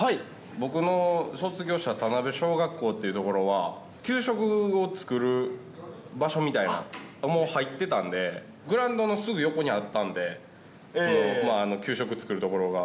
僕の卒業したたなべ小学校っていう所は、給食を作る場所みたいなのが入ってたんで、グラウンドのすぐ横にあったんで、給食作る所が。